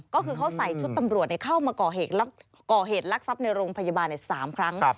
ก็คือเขาใส่ชุดตำรวจเข้ามาก่อเหตุลักษัพในโรงพยาบาล๓ครั้ง